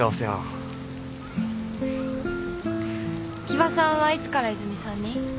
木場さんはいつから泉さんに？